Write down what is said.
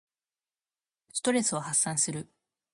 ストレスを発散する。